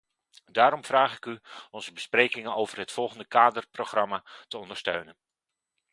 Daarom vraag ik u onze besprekingen over het volgende kaderprogramma te ondersteunen.